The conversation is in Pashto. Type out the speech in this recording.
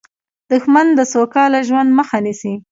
دښمن د سوکاله ژوند مخه نیسي